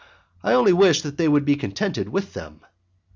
I only wish they would be contented with them!